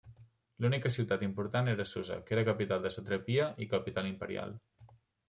L'única ciutat important era Susa que era capital de satrapia i capital imperial.